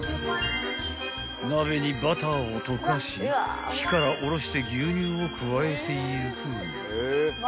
［鍋にバターを溶かし火から下ろして牛乳を加えていく］